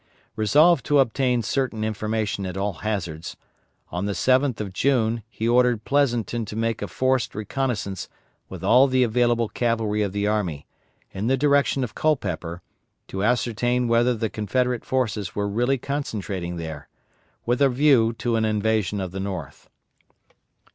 Resolved to obtain certain information at all hazards, on the 7th of June he ordered Pleasonton to make a forced reconnoissance with all the available cavalry of the army, in the direction of Culpeper, to ascertain whether the Confederate forces were really concentrating there, with a view to an invasion of the North.